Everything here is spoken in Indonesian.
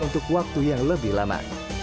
untuk waktu yang lebih lama